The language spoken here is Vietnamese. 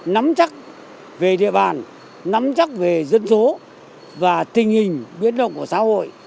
nắm chắc về địa bàn nắm chắc về dân số và tình hình biến động của xã hội